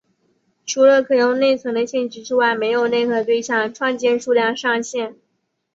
除了可用内存的限制之外没有内核对象创建数量上限。